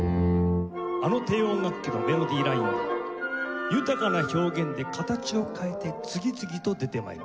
あの低音楽器のメロディーラインが豊かな表現で形を変えて次々と出て参ります。